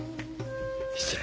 失礼。